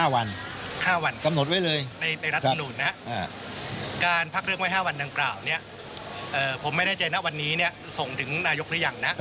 วันนี้เนี่ยส่งถึงนายกรัฐมนุษย์หรือยังนะ